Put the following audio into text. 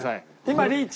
今リーチ！